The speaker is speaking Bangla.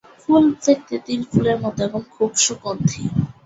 ফুল দেখতে তিল ফুলের মতো এবং খুব সুগন্ধি।